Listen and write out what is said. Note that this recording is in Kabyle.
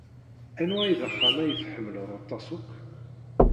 Anwa ay d axxam ay tḥemmleḍ aṭas akk?